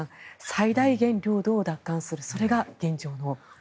最大限、領土を奪還するそれが現状だと。